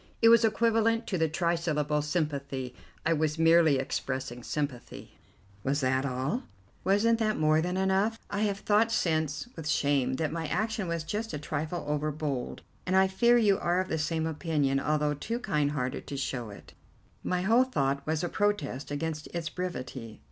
It was equivalent to the trisyllable 'Sympathy.' I was merely expressing sympathy." "Was that all?" "Wasn't that more than enough? I have thought since, with shame, that my action was just a trifle over bold, and I fear you are of the same opinion, although too kind hearted to show it." "My whole thought was a protest against its brevity."